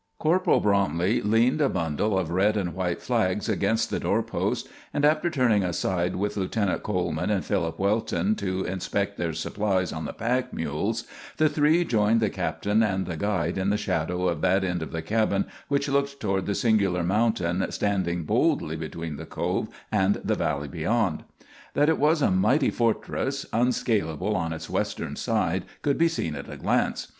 Corporal Bromley leaned a bundle of red and white flags against the door post, and after turning aside with Lieutenant Coleman and Philip Welton to inspect their supplies on the pack mules, the three joined the captain and the guide in the shadow of that end of the cabin which looked toward the singular mountain standing boldly between the Cove and the valley beyond. That it was a mighty fortress, unscalable on its western side, could be seen at a glance.